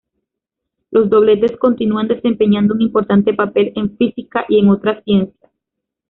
Los dobletes continúan desempeñando un importante papel en física y en otras ciencias.